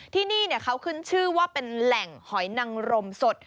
ที่นี่เขาขึ้นชื่อว่าเป็นแหล่งหอยนังรมสด